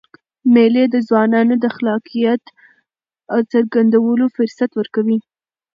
مېلې د ځوانانو د خلاقیت څرګندولو فرصت ورکوي.